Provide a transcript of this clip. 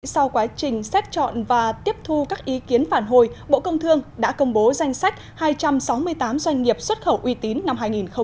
sau quá trình xét chọn và tiếp thu các ý kiến phản hồi bộ công thương đã công bố danh sách hai trăm sáu mươi tám doanh nghiệp xuất khẩu uy tín năm hai nghìn một mươi chín